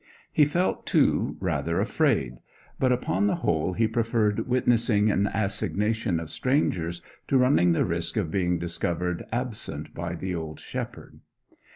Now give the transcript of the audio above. He felt, too, rather afraid; but upon the whole he preferred witnessing an assignation of strangers to running the risk of being discovered absent by the old shepherd.